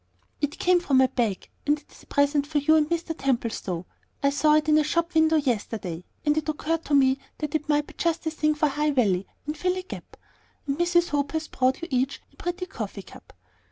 "It came from my bag; and it's a present for you and Mr. Templestowe. I saw it in a shop window yesterday; and it occurred to me that it might be just the thing for High Valley, and fill a gap. And Mrs. Hope has brought you each a pretty coffee cup."